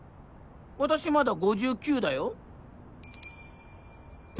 私まだ５９だよ。